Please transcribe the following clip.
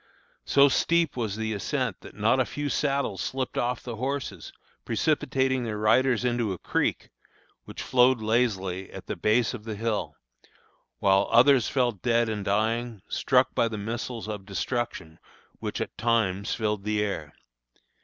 So steep was the ascent that not a few saddles slipped off the horses, precipitating their riders into a creek which flowed lazily at the base of the hill; while others fell dead and dying, struck by the missiles of destruction which at times filled the air.